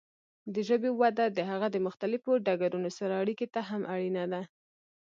د ژبې وده د هغه د مختلفو ډګرونو سره اړیکې ته هم اړینه ده.